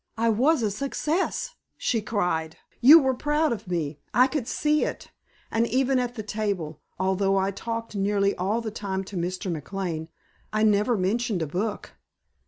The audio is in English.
"I was a success!" she cried. "You were proud of me. I could see it. And even at the table, although I talked nearly all the time to Mr. McLane, I never mentioned a book."